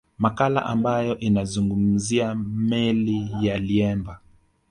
Makala ambayo inazungumzia meli ya Liemba